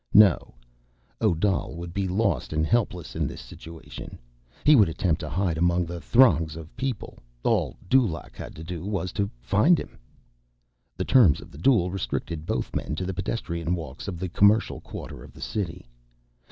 No, Odal would be lost and helpless in this situation. He would attempt to hide among the throngs of people. All Dulaq had to do was to find him. The terms of the duel restricted both men to the pedestrian walks of the commercial quarter of the city.